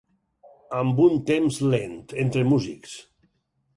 Amb un temps lent, entre músics.